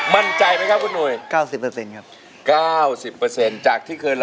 มันใจมั้ยครับคุณหนุย